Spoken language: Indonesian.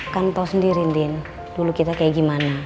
kan tahu sendiri din dulu kita kayak gimana